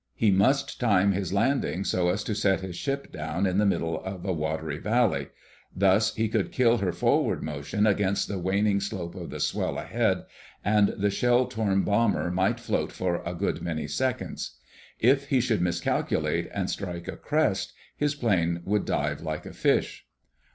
He must time his landing so as to set his ship down in the middle of a watery valley. Thus he could kill her forward motion against the waning slope of the swell ahead, and the shell torn bomber might float for a good many seconds. If he should miscalculate and strike a crest, his plane would dive like a fish.